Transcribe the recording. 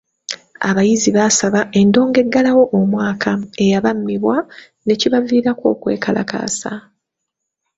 Abayizi baasaba endongo eggalawo omwaka eyabammibwa ne kibaviirako okwekalakaasa.